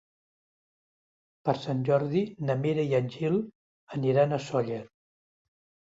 Per Sant Jordi na Mira i en Gil aniran a Sóller.